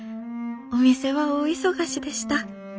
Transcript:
お店は大忙しでした」。